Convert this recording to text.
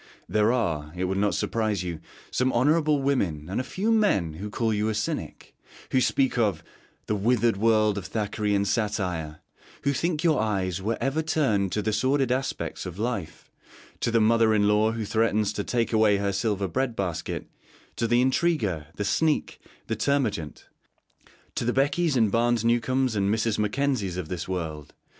There are, it will not surprise you, some honourable women and a few men who call you a cynic; who speak of 'the withered world of Thackerayan satire;' who think your eyes were ever turned to the sordid aspects of life to the mother in law who threatens to 'take away her silver bread basket;' to the intriguer, the sneak, the termagant; to the Beckys, and Barnes Newcomes, and Mrs. Mackenzies of this world.